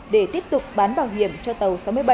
để tiếp tục bán bảo hiểm cho tàu sáu mươi bảy